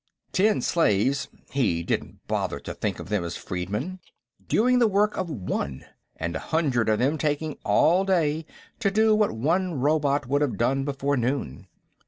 Ten slaves he didn't bother to think of them as freedmen doing the work of one, and a hundred of them taking all day to do what one robot would have done before noon.